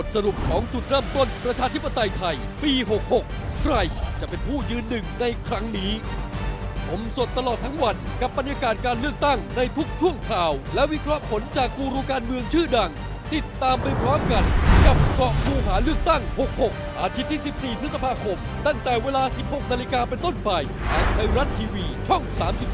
สวัสดิการของประเทศใหม่และเทวรัฐทีวีช่อง๓๒